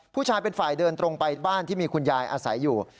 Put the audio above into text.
ผู้ชายเป็นฝ่ายเดินตรงไปบ้านที่มีคุณยายอาศัยอยู่